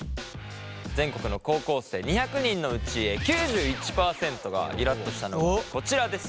全国の高校生２００人のうち９１％がイラっとしたのがこちらです。